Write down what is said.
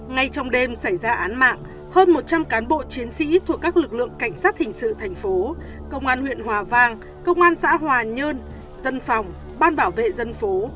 ngay trong đêm xảy ra án mạng hơn một trăm linh cán bộ chiến sĩ thuộc các lực lượng cảnh sát hình sự thành phố công an huyện hòa vang công an xã hòa nhơn dân phòng ban bảo vệ dân phố